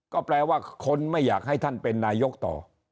ก็แปลว่าคนไม่อยากให้ท่านเป็นนายกต่อ